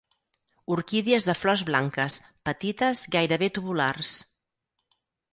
Orquídies de flors blanques petites gairebé tubulars.